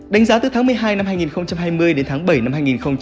đánh giá từ tháng một mươi hai năm hai nghìn hai mươi đến tháng bảy năm hai nghìn hai mươi